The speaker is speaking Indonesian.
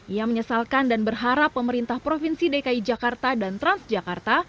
ia menyesalkan dan berharap pemerintah provinsi dki jakarta dan transjakarta